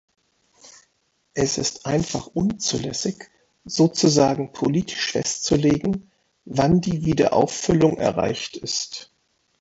Es ist einfach unzulässig, sozusagen politisch festzulegen, wann die Wiederauffüllung erreicht ist.